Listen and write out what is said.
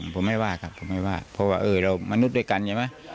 เพราะว่าเออเรามนุษย์ด้วยกันเห็นไหม